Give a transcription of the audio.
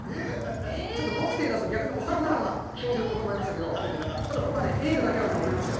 ちょっと僕、手を出すと逆に遅くなるということがありますので、ただ、僕はね、エールだけは送りましたよ。